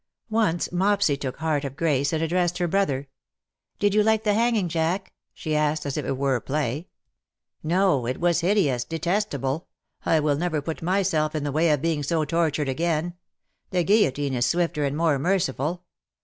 Once Mopsy took heart of grace and addressed her brother :" Did you like the hanging, Jack ?" she asked, as if it were a play. 30 " No, it was hideous, detestable. I will never put myself in the way of being so tortured again. The guillotine is swifter and more merciful.